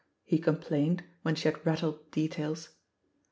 he complained, when she had rattled details.